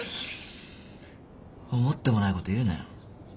思ってもないこと言うなよ。